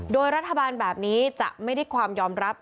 โดยรัฐบาลแบบนี้จะไม่ได้ความยอมรับ